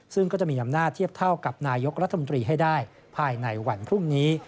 ซึ่งก็จะมีอำนาจเทียบเท่ากับนายกรัฐมนตรีให้ได้ภายในวันพรุ่งนี้